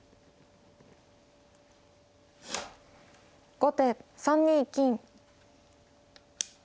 後手３二金。